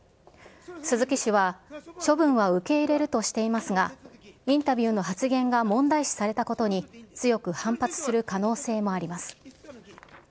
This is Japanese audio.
鈴木氏は、処分は受け入れるとしていますが、インタビューの発言が問題視されたことに、強く反発する可能性もあります。